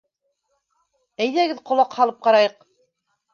Әйҙәгеҙ, ҡолаҡ һалып ҡарайыҡ.